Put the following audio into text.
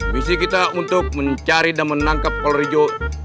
misi kita untuk mencari dan menangkap kolor hijau